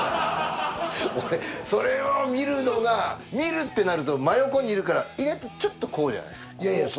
俺それを見るのが見るってなると真横にいるから意外とちょっとこうじゃない。